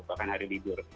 bahkan hari libur